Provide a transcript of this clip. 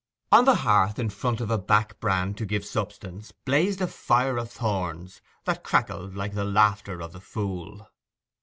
On the hearth, in front of a back brand to give substance, blazed a fire of thorns, that crackled 'like the laughter of the fool.